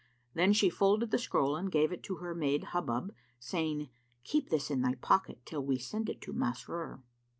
Then she folded the scroll and gave it to her maid Hubub, saying, "Keep this in thy pocket, till we send it to Masrur."